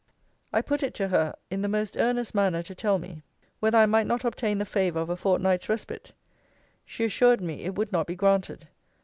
I put it to her, in the most earnest manner, to tell me, whether I might not obtain the favour of a fortnight's respite? She assured me, it would not be granted.